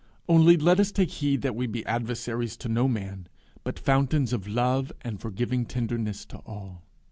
Only let us take heed that we be adversaries to no man, but fountains of love and forgiving tenderness to all.